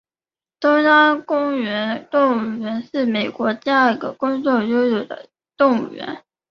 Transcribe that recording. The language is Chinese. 中央公园动物园是美国第二个公众拥有的动物园。